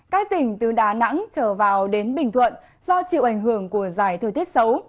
các tỉnh từ đà nẵng trở vào đến bình thuận do chịu ảnh hưởng của giải thời tiết xấu